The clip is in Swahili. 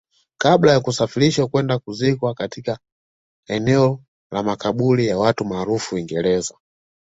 kabla ya kusafirishwa kwenda kuzikwa katika eneo la makaburi ya watu maarufu Uingereza